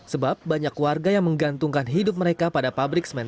sebab banyak warga yang menggantungkan hidup mereka pada pabrik semen